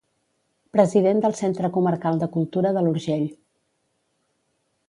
President del Centre Comarcal de Cultura de l'Urgell.